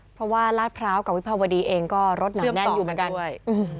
เพราะว่าลาดพร้าวกับวิภาวดีเองก็รถหนาแน่นอยู่เหมือนกันด้วย